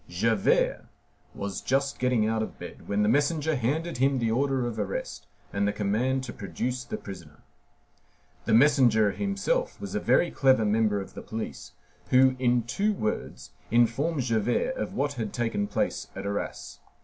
Javert was just getting out of bed when the messenger handed him the order of arrest and the command to produce the prisoner. The messenger himself was a very clever member of the police, who, in two words, informed Javert of what had taken place at Arras.